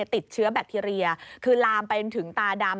ติดเชื้อแบคทีเรียคือลามไปถึงตาดำ